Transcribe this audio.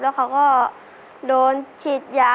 แล้วเขาก็โดนฉีดยา